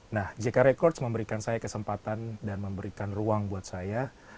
nah jk records memberikan saya kesempatan dan memberikan ruang buat saya